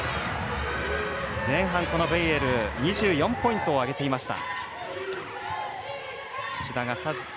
前半、ベイエル２４ポイント挙げていました。